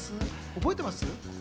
覚えてます？